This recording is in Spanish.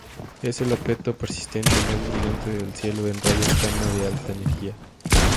Es el objeto persistente más brillante del cielo en rayos gamma de alta energía.